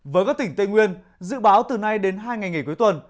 với các tỉnh tây nguyên dự báo từ nay đến hai ngày nghỉ cuối tuần